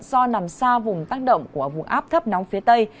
do nằm xa vùng tác động của vùng áp thấp nóng phía tây